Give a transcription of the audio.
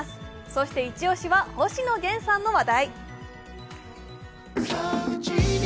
そしてイチ押しは星野源さんの話題。